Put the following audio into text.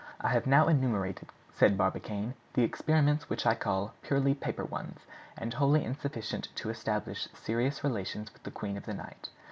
"I have now enumerated," said Barbicane, "the experiments which I call purely paper ones, and wholly insufficient to establish serious relations with the Queen of the Night.